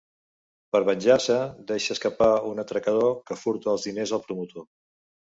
Per venjar-se, deixa escapar un atracador que furta els diners al promotor.